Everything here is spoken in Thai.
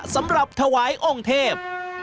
สำหรับถวายองค์เทพ